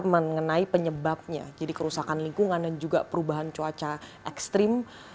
mengenai penyebabnya jadi kerusakan lingkungan dan juga perubahan cuaca ekstrim